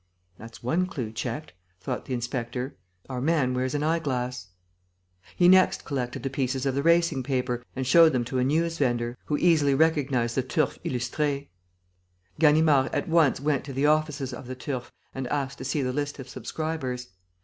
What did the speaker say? "That's one clue checked," thought the inspector. "Our man wears an eyeglass." He next collected the pieces of the racing paper and showed them to a newsvendor, who easily recognized the Turf Illustré. Ganimard at once went to the offices of the Turf and asked to see the list of subscribers.